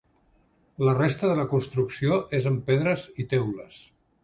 La resta de la construcció és en pedres i teules.